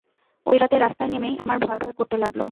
ঐ রাতে রাস্তায় নেমেই আমার ভয়ভয় করতে লাগল।